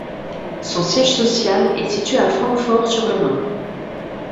Son siège social est situé à Francfort-sur-le-Main.